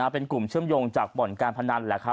เป็นกลุ่มเชื่อมโยงจากบ่อนการพนัน